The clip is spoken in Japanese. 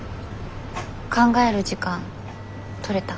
考える時間とれた？